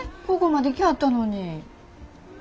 ここまで来はったのに。